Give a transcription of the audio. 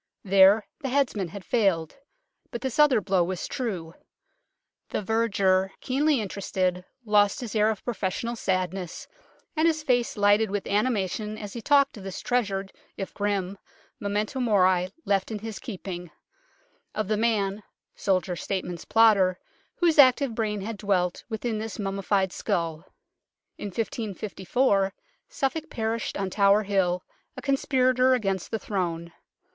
There the headsman had failed, but this other blow was true. The verger, keenly interested, lost his air of professional sadness, and his face lighted with animation as he talked of this treasured if grim memento mori left in his keep ing ; of the man soldier, statesman, plotter whose active brain had dwelt within this mummi fied skull. In 1554 Suffolk perished on Tower Hill, a conspirator against the Throne.